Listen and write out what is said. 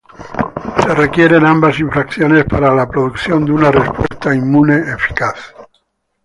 Se requieren ambas interacciones para la producción de una respuesta inmune eficaz.